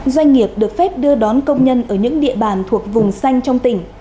doanh nghiệp được phép đưa đón công nhân ở những địa bàn thuộc vùng xanh trong tỉnh